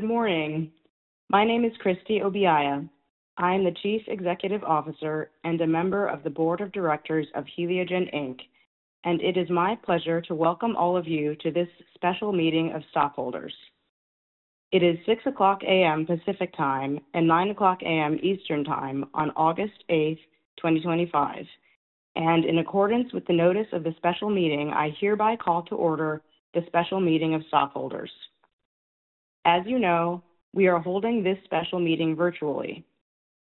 Good morning. My name is Christie Obiaya. I am the Chief Executive Officer and a member of the Board of Directors of Heliogen Inc., and it is my pleasure to welcome all of you to this special meeting of stockholders. It is 6:00 A.M. Pacific Time and 9:00 A.M. Eastern Time on August 8, 2025, and in accordance with the notice of the special meeting, I hereby call to order the special meeting of stockholders. As you know, we are holding this special meeting virtually.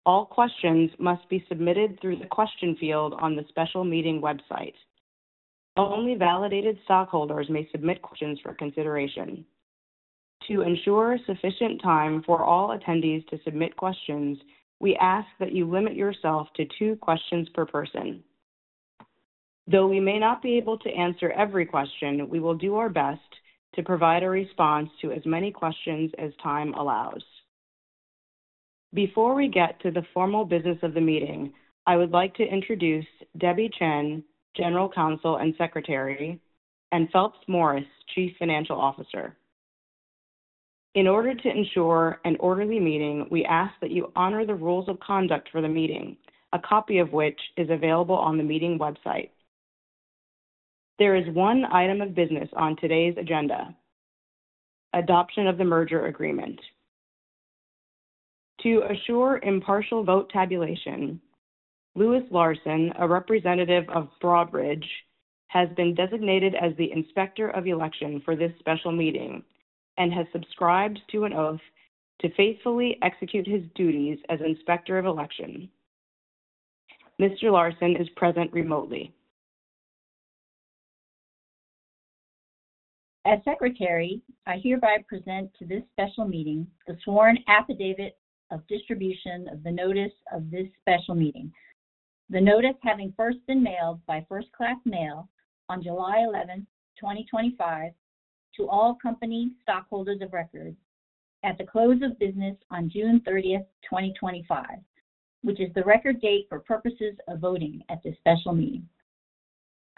All questions must be submitted through the question field on the special meeting website. Only validated stockholders may submit questions for consideration. To ensure sufficient time for all attendees to submit questions, we ask that you limit yourself to two questions per person. Though we may not be able to answer every question, we will do our best to provide a response to as many questions as time allows. Before we get to the formal business of the meeting, I would like to introduce Debbie Chen, General Counsel and Secretary, and Phelps Morris, Chief Financial Officer. In order to ensure an orderly meeting, we ask that you honor the rules of conduct for the meeting, a copy of which is available on the meeting website. There is one item of business on today's agenda: adoption of the merger agreement. To assure impartial vote tabulation, Louis Larson, a representative of Broadridge, has been designated as the Inspector of Election for this special meeting and has subscribed to an oath to faithfully execute his duties as Inspector of Election. Mr. Larson is present remotely. As Secretary, I hereby present to this special meeting the sworn affidavit of distribution of the notice of this special meeting, the notice having first been mailed by First Class Mail on July 11, 2025, to all company stockholders of record at the close of business on June 30, 2025, which is the record date for purposes of voting at this special meeting.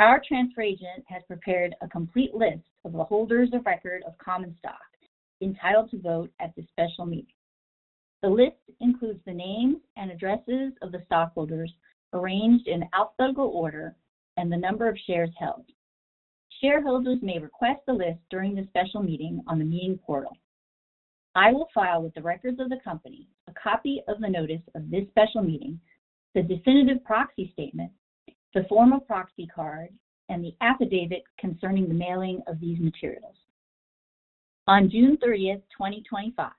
Our transfer agent has prepared a complete list of the holders of record of common stock entitled to vote at this special meeting. The list includes the names and addresses of the stockholders arranged in alphabetical order and the number of shares held. Shareholders may request the list during the special meeting on the meeting portal. I will file with the records of the company a copy of the notice of this special meeting, the definitive proxy statement, the form of proxy card, and the affidavit concerning the mailing of these materials. On June 30, 2025,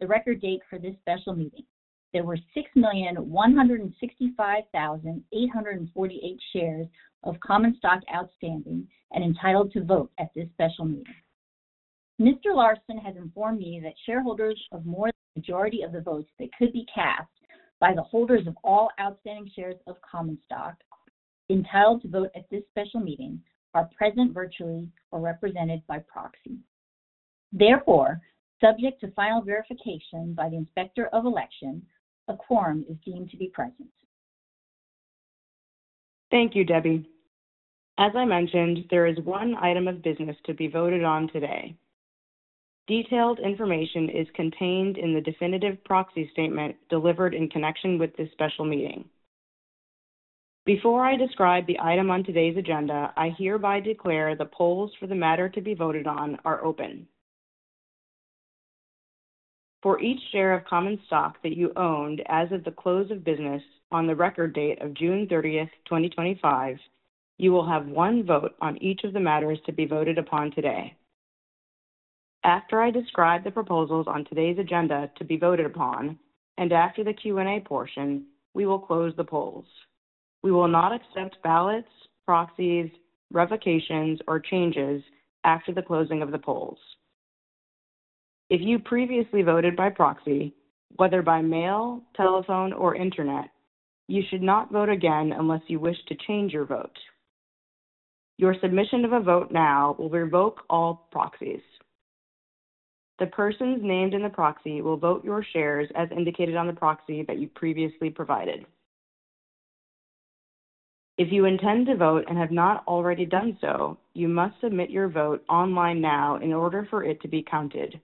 the record date for this special meeting, there were 6,165,848 shares of common stock outstanding and entitled to vote at this special meeting. Mr. Larson has informed me that shareholders of more than the majority of the votes that could be cast by the holders of all outstanding shares of common stock entitled to vote at this special meeting are present virtually or represented by proxy. Therefore, subject to final verification by the Inspector of Election, a quorum is deemed to be present. Thank you, Debbie. As I mentioned, there is one item of business to be voted on today. Detailed information is contained in the definitive proxy statement delivered in connection with this special meeting. Before I describe the item on today's agenda, I hereby declare the polls for the matter to be voted on are open. For each share of common stock that you owned as of the close of business on the record date of June 30, 2025, you will have one vote on each of the matters to be voted upon today. After I describe the proposals on today's agenda to be voted upon and after the Q&A portion, we will close the polls. We will not accept ballots, proxies, revocations, or changes after the closing of the polls. If you previously voted by proxy, whether by mail, telephone, or internet, you should not vote again unless you wish to change your vote. Your submission of a vote now will revoke all proxies. The persons named in the proxy will vote your shares as indicated on the proxy that you previously provided. If you intend to vote and have not already done so, you must submit your vote online now in order for it to be counted.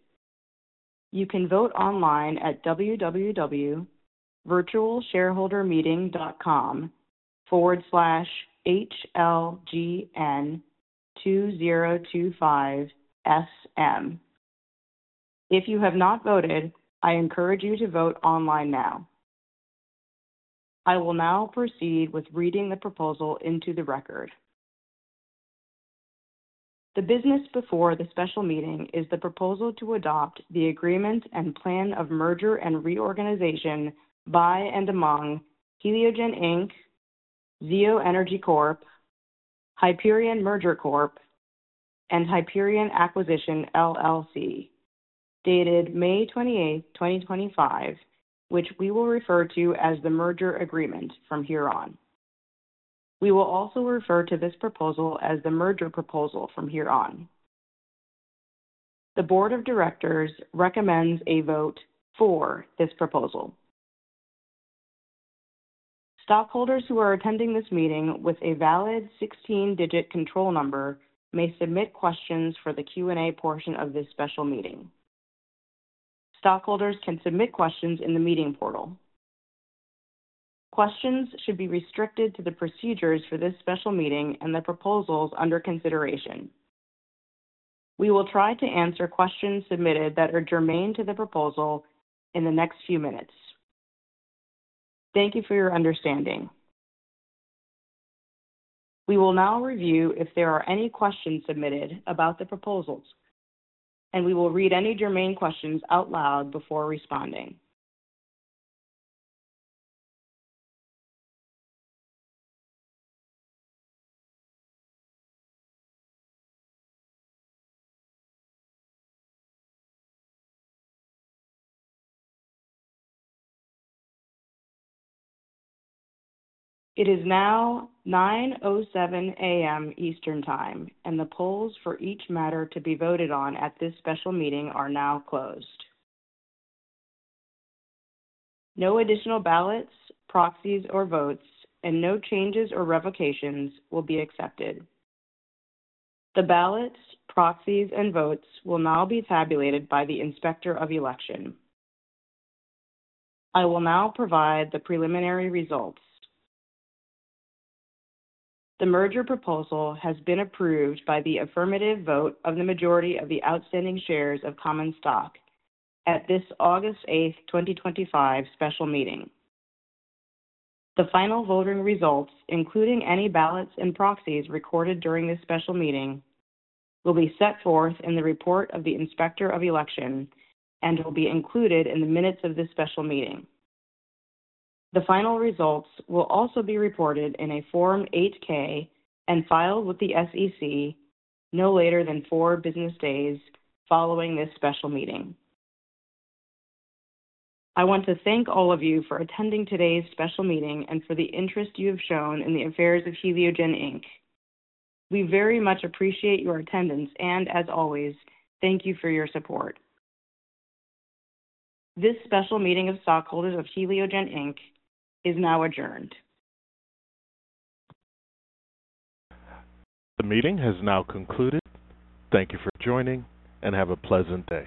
You can vote online at www.virtualshareholdermeeting.com/hlgn2025sm. If you have not voted, I encourage you to vote online now. I will now proceed with reading the proposal into the record. The business before the special meeting is the proposal to adopt the merger agreement and plan of reorganization by and among Heliogen Inc., Zio Energy Corp., Hyperion Merger Corp., and Hyperion Acquisition LLC, dated May 28, 2025, which we will refer to as the merger agreement from here on. We will also refer to this proposal as the merger proposal from here on. The Board of Directors recommends a vote for this proposal. Stockholders who are attending this meeting with a valid 16-digit control number may submit questions for the Q&A portion of this special meeting. Stockholders can submit questions in the meeting portal. Questions should be restricted to the procedures for this special meeting and the proposals under consideration. We will try to answer questions submitted that are germane to the proposal in the next few minutes. Thank you for your understanding. We will now review if there are any questions submitted about the proposals, and we will read any germane questions out loud before responding. It is now 9:07 A.M. Eastern Time, and the polls for each matter to be voted on at this special meeting are now closed. No additional ballots, proxies, or votes, and no changes or revocations will be accepted. The ballots, proxies, and votes will now be tabulated by the Inspector of Election. I will now provide the preliminary results. The merger proposal has been approved by the affirmative vote of the majority of the outstanding shares of common stock at this August 8, 2025, special meeting. The final voting results, including any ballots and proxies recorded during this special meeting, will be set forth in the report of the Inspector of Election and will be included in the minutes of this special meeting. The final results will also be reported in a Form 8-K and filed with the SEC no later than four business days following this special meeting. I want to thank all of you for attending today's special meeting and for the interest you have shown in the affairs of Heliogen Inc. We very much appreciate your attendance and, as always, thank you for your support. This special meeting of stockholders of Heliogen Inc. is now adjourned. The meeting has now concluded. Thank you for joining and have a pleasant day.